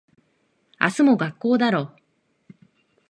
明日も学校だろ。